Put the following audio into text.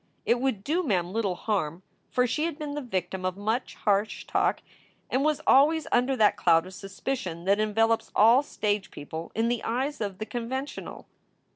It would do Mem little harm, for she had been the victim of much harsh talk and was always under that cloud of suspicion that envelops all stage people in the eyes of the conventional.